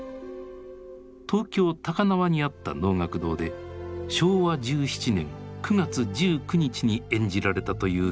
東京・高輪にあった能楽堂で昭和１７年９月１９日に演じられたという記録が残されていた。